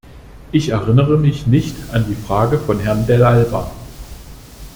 Ich erinnere mich nicht an die Frage von Herrn Dell'Alba.